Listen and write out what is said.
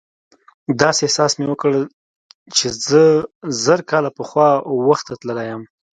داسې احساس مې وکړ چې زه زر کاله پخوا وخت ته تللی یم.